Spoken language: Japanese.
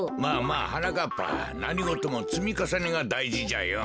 はなかっぱなにごともつみかさねがだいじじゃよ。